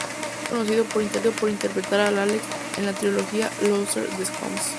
Es conocido por interpretar a Alex en la trilogía "Le coeur des hommes".